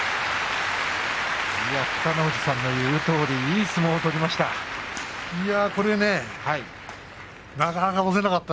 北の富士さんの言うとおりいい相撲を取りました。